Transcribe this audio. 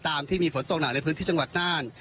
ตามที่มีฝนตกหนักในพื้นที่จังหวัดน่าน